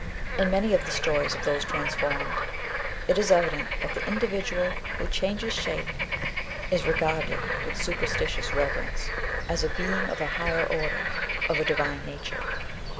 In many of the stories of those transformed, it is evident that the 168 THE BOOK OF WERB WOLVES. individual who changes shape is regarded with super stitious reverence, as a being of a higher order— of a divine nature.